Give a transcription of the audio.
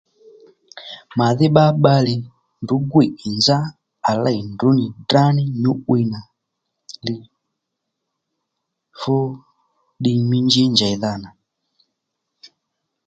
Màdhí bbá bbalè ndrǔ gwiy ì nzá à ley ndrǔ nì drá ní nyǔ'wiy nà ddiy fú ddiy mí njí njèydha nà